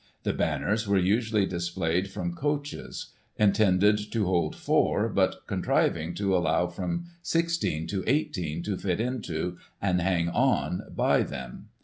The banners were usually displayed from coaches, intended to hold four, but contriving to edlow from sixteen to eighteen to fit into, and hang on by them.